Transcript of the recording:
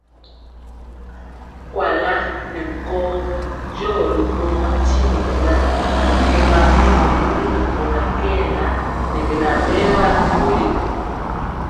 Kuala nɛ nkɔɔ diɔ ri ɓorɔɔ ntimɔ ŋan, kɔlo atɔmbɔ mori mɛkóra kɛɛla ŋɛ beŋa berwa ri nkuli.